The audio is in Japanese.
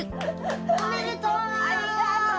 おめでとう！